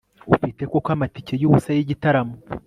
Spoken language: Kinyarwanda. Ufite koko amatike yubusa yigitaramo